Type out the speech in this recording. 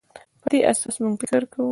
په دې اساس موږ فکر کوو.